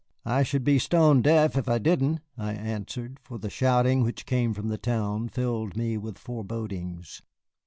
"I should be stone deaf if I didn't," I answered, for the shouting which came from the town filled me with forebodings.